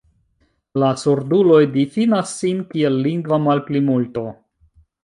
La surduloj difinas sin kiel lingva malplimulto.